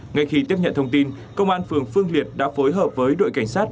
ngay khi tiếp nhận thông tin công an phường phương liệt đã phối hợp với đội cảnh sát